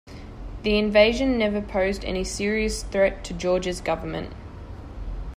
The invasion never posed any serious threat to George's government.